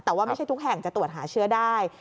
แต่ว่าไม่ใช่ทุกแห่งจะตรวจหาเชื้อได้